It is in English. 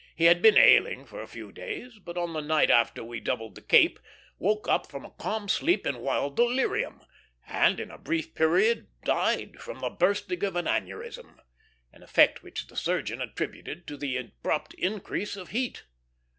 He had been ailing for a few days, but on the night after we doubled the cape woke up from a calm sleep in wild delirium, and in a brief period died from the bursting of an aneurism; an effect which the surgeon attributed to the abrupt increase of heat.